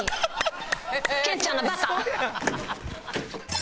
健ちゃんのバカ！